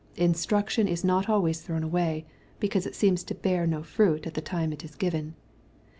Instruction is not always thrown away, because it seems to bear no fruit at the time it is given.